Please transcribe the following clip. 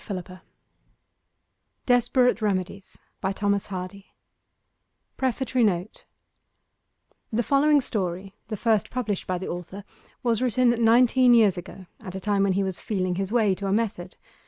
THE EVENTS OF EIGHTEEN HOURS SEQUEL PREFATORY NOTE The following story, the first published by the author, was written nineteen years ago, at a time when he was feeling his way to a method.